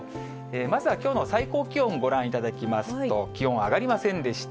まずはきょうの最高気温をご覧いただきますと、気温上がりませんでした。